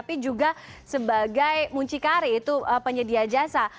dan juga sebagai muncikari itu penyedia jasa